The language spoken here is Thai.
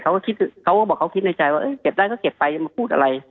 เขาก็คิดเขาก็บอกเขาคิดในใจว่าเก็บได้ก็เก็บไปมาพูดอะไร